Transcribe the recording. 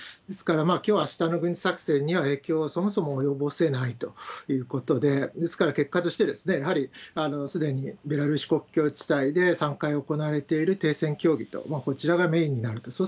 ですから、きょう、あしたの軍事作戦には影響をそもそも及ぼせないということで、ですから、結果としてやはりすでにベラルーシ国境地帯で３回行われている停戦協定と、こちらがメインになると。